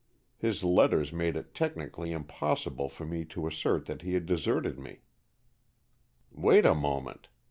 His letters made it technically impossible for me to assert that he had deserted me." "Wait a moment.